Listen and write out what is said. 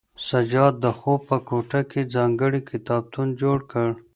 سجاد د خوب په کوټه کې ځانګړی کتابتون جوړ کړ.